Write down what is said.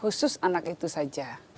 khusus anak itu saja